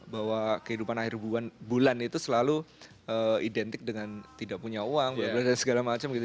bahwa kehidupan akhir bulan itu selalu identik dengan tidak punya uang dan segala macam gitu